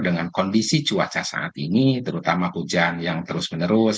dengan kondisi cuaca saat ini terutama hujan yang terus menerus